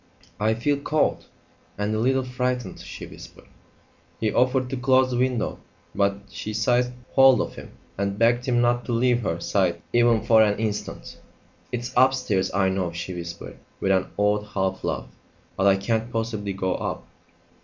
"I feel cold and a little frightened," she whispered. He offered to close the window, but she seized hold of him and begged him not to leave her side even for an instant. "It's upstairs, I know," she whispered, with an odd half laugh; "but I can't possibly go up."